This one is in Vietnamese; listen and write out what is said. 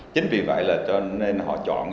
chính vì vậy là cho nên họ chọn